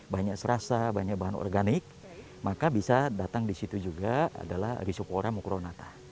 banyak serasa banyak bahan organik maka bisa datang di situ juga adalah bisupora mukronata